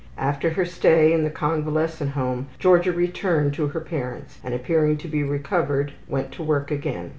After her stay in the convalescent home Georgia returned to her parents, and, appearing to be recovered, went to work again.